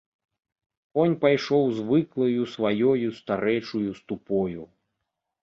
Конь пайшоў звыклаю сваёю старэчаю ступою.